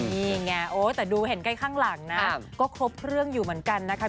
นี่ไงโอ้แต่ดูเห็นใกล้ข้างหลังนะก็ครบเครื่องอยู่เหมือนกันนะคะ